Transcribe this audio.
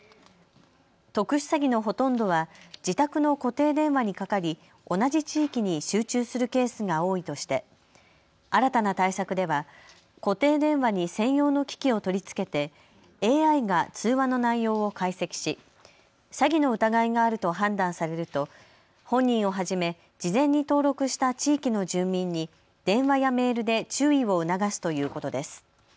特殊詐欺のほとんどは自宅の固定電話にかかり、同じ地域に集中するケースが多いとして新たな対策では固定電話に専用の機器を取り付けてＡＩが通話の内容を解析し詐欺の疑いがあると判断されると本人をはじめ、事前に登録した地域の住民に電話やメールで注意を促すということです。